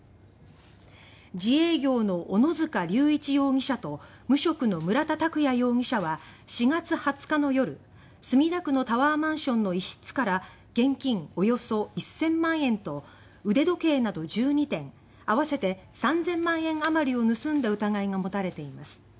自営業の小野塚隆一容疑者と無職の村田拓也容疑者は４月２０日の夜、墨田区のタワーマンションの一室から現金およそ１０００万円と腕時計など１２点合わせて３０００万あまりを盗んだ疑いが持たれています。